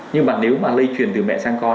nhưng mà nếu mà lây truyền từ mẹ sang con